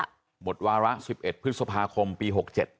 ถึงวาระสิบเอ็ดพฤษภาคมปีหกเจ็ด